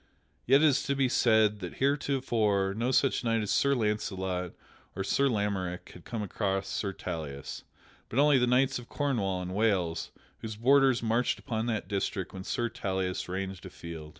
(Yet it is to be said that heretofore no such knight as Sir Launcelot or Sir Lamorack had come against Sir Tauleas, but only the knights of Cornwall and Wales, whose borders marched upon that district where Sir Tauleas ranged afield.)